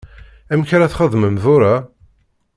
Amek ara txedmem tura?